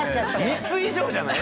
３つ以上じゃない？